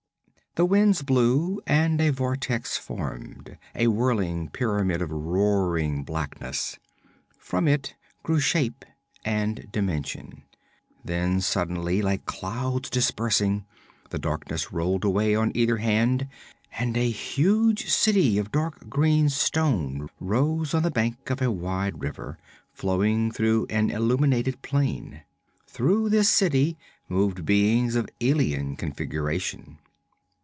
The winds blew and a vortex formed, a whirling pyramid of roaring blackness. From it grew Shape and Dimension; then suddenly, like clouds dispersing, the darkness rolled away on either hand and a huge city of dark green stone rose on the bank of a wide river, flowing through an illimitable plain. Through this city moved beings of alien configuration.